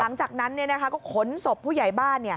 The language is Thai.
หลังจากนั้นก็ขนศพผู้ใหญ่บ้าน